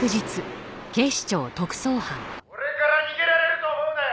「俺から逃げられると思うなよ！」